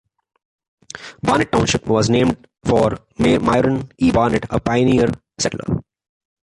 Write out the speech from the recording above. Barnett Township was named for Myron E. Barnett, a pioneer settler.